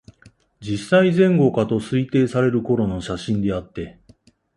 十歳前後かと推定される頃の写真であって、